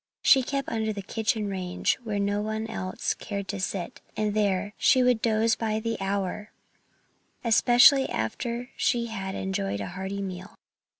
She crept under the kitchen range, where no one else cared to sit. And there she would doze by the hour especially after she had enjoyed a hearty meal.